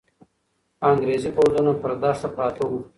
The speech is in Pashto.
انګریزي پوځونه پر دښته پراته وو.